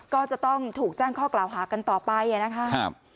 ก็จะต้องถูกแจ้งข้อกล่าวหากันต่อไปนะคะ